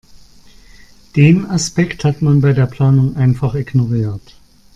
Den Aspekt hat man bei der Planung einfach ignoriert.